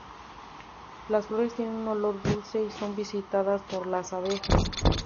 Las flores tienen un olor dulce y son visitadas por las abejas.